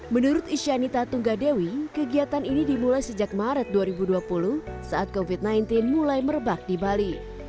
menurut isyanita tunggadewi kegiatan ini dimulai sejak maret dua ribu dua puluh saat covid sembilan belas mulai merebak di bali